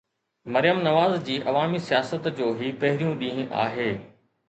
مريم نواز جي عوامي سياست جو هي پهريون ڏينهن آهي.